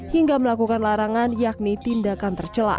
hingga melakukan larangan yakni tindakan tercelak